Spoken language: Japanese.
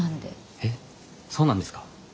えっそうなんですか。